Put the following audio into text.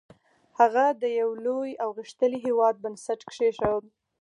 هغه د یو لوی او غښتلي هېواد بنسټ کېښود.